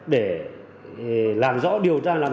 để làm rõ điều tra